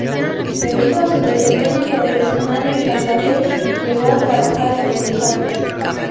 Debido a su desempeño profesional en Santa Fe llegó a trabajar en Buenos Aires.